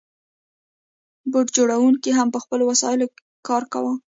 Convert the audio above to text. بوټ جوړونکو هم په خپلو وسایلو کار کاوه.